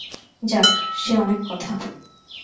যাক, সে অনেক কথা।